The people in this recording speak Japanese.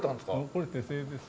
これ手製です。